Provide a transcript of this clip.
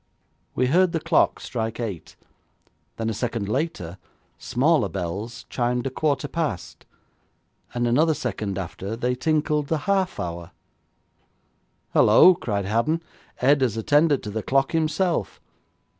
We heard the clock strike eight; then a second later smaller bells chimed a quarter past, and another second after they tinkled the half hour. 'Hallo!' cried Haddon, 'Ed has attended to the clock himself.